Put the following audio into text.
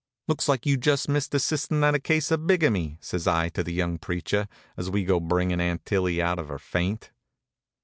"Looks like you'd just missed assistin' at a case of bigamy," says I to the young preacher, as we was bringin' Aunt Tillie out of her faint.